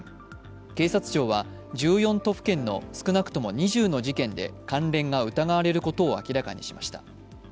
警察庁は１４都府県の少なくとも２０の事件で関連が疑われることを明らかにしました。